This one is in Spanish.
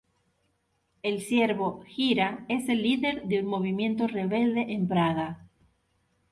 El siervo Jira es el líder de un movimiento rebelde en Praga.